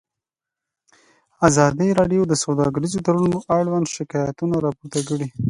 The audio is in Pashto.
ازادي راډیو د سوداګریز تړونونه اړوند شکایتونه راپور کړي.